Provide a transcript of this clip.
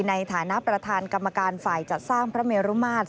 ในฐานะประธานกรรมการฝ่ายจัดสร้างพระเมรุมาตร